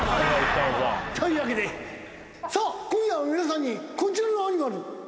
というわけでさあ今夜は皆さんにこちらのアニマル。